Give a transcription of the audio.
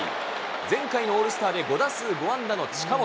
前回のオールスターで５打数５安打の近本。